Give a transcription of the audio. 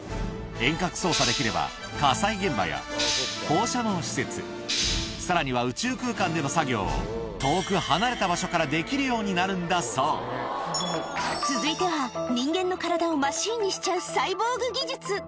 遠隔操作できれば、火災現場や放射能施設、さらには宇宙空間での作業を遠く離れた場所からできるようになる続いては、人間の体をマシンにしちゃうサイボーグ技術。